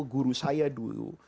kata guru saya dulu